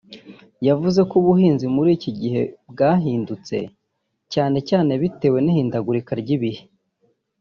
yavuze ko ubuhinzi muri iki gihe bwahindutse cyane cyane bitewe n’ihindagurika ry’ibihe